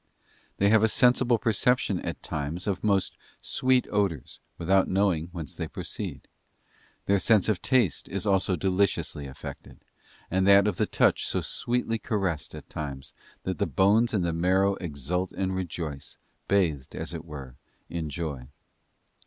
They have a sensible perception at times of most sweet odours, without knowing whence they proceed. Their sense of taste is also deliciously affected; and that of the touch so sweetly caressed at times that the bones and the marrow exult and rejoice, bathed, as it were, in joy.